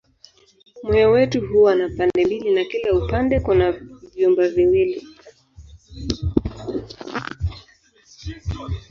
Moyo wetu huwa na pande mbili na kila upande kuna vyumba viwili.